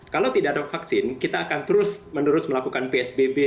kalau tidak ada vaksin kita akan terus menerus melakukan psbb